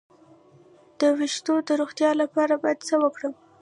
د ویښتو د روغتیا لپاره باید څه وکړم؟